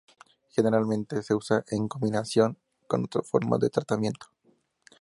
Generalmente se usa en combinación con otras formas de tratamiento.